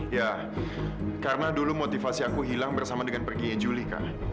ya karena dulu motivasi aku hilang bersama dengan perginya julie kan